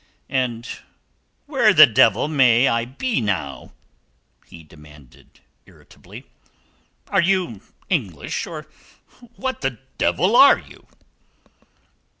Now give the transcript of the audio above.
"And where the devil may I be now?" he demanded irritably. "Are you English, or what the devil are you?"